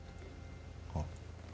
あっ。